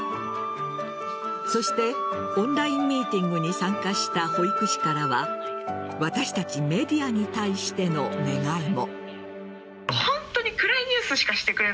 そしてオンラインミーティングに参加した保育士からは私たちメディアに対しての願いも。